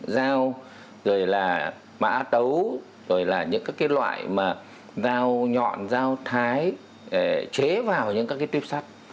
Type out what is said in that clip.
dao rồi là mã tấu rồi là những các cái loại mà dao nhọn dao thái chế vào những các cái tuyếp sắt